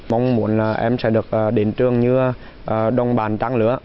mong muốn em sẽ được đến trường như đồng bàn trang lửa